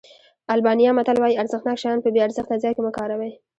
آلبانیا متل وایي ارزښتناک شیان په بې ارزښته ځای کې مه کاروئ.